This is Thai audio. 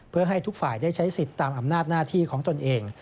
เพื่อให้ทุกฝ่ายได้ใช้สิทธิ์ตามอำนาจหน้าที่ของตนเอง